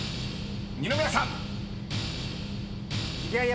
二宮さん］